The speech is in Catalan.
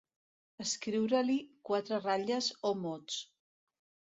Escriure-li quatre ratlles o mots.